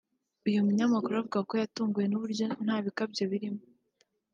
Uyu munyamakuru avuga ko yatunguwe n’uburyo ntabikabyo birimo